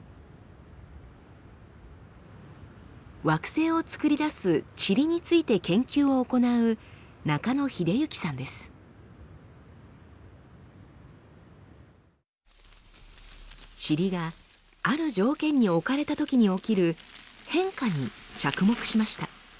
惑星をつくり出すチリについて研究を行うチリがある条件に置かれたときに起きる変化に着目しました。